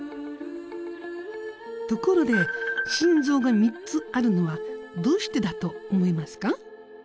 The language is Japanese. ところで心臓が３つあるのはどうしてだと思いますか？